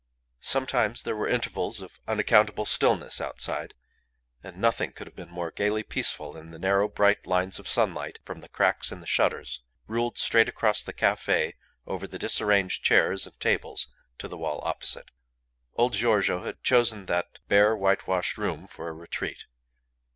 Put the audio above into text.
Sometimes there were intervals of unaccountable stillness outside, and nothing could have been more gaily peaceful than the narrow bright lines of sunlight from the cracks in the shutters, ruled straight across the cafe over the disarranged chairs and tables to the wall opposite. Old Giorgio had chosen that bare, whitewashed room for a retreat.